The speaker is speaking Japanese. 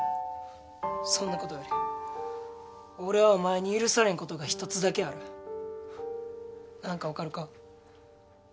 そんなことより俺はお前に許されへんことが１つだけある何か分かるか？